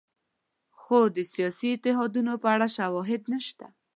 خو د سیاسي اتحادونو په اړه شواهد نشته.